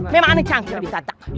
memang ini canggih ditatang